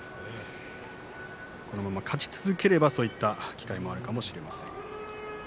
このまま勝ち続ければそういう機会もあるかもしれません。